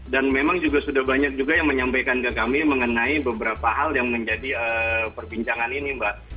dan memang juga sudah banyak juga yang menyampaikan ke kami mengenai beberapa hal yang menjadi perbincangan ini mbak